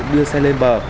đưa xe lên bờ